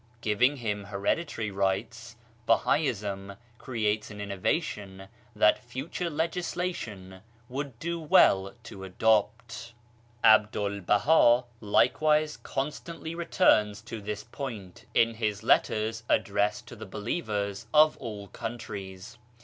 p. 9! 136 BAHAISM giving him hereditary rights, Bahaism creates an innovation that future legisla tion would do well to adopt. 'Abdu'1 Baha likewise constantly returns to this point in his letters addressed to the believers of all countries.